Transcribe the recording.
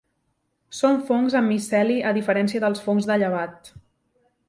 Són fongs amb miceli a diferència dels fongs de llevat.